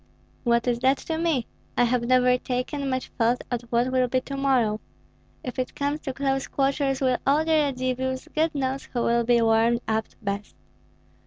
"What is that to me? I have never taken much thought of what will be to morrow. If it comes to close quarters with all the Radzivills, God knows who will be warmed up best.